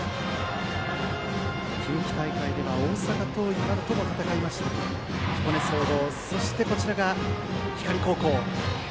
近畿大会では大阪桐蔭などとも戦いました彦根総合。